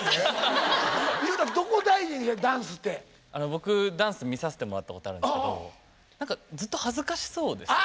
僕ダンス見させてもらったことあるんですけど何かずっと恥ずかしそうですよね。